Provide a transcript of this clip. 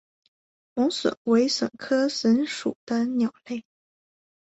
猛隼为隼科隼属的鸟类。